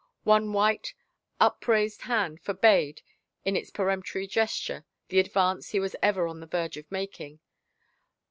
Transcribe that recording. One white, upraised hand forbade, in its peremptory gesture, the ad vance he was ever on the verge of making.